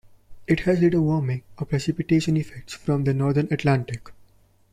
It has little warming or precipitation effects from the northern Atlantic.